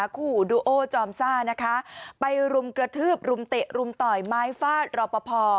คู่ดูโอจอมซ่านะคะไปรุมกระทืบรุมเตะรุมต่อยไม้ฟาดรอปภ